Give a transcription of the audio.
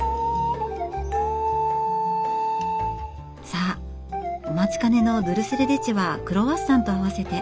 さあお待ちかねのドゥルセデレチェはクロワッサンと合わせて。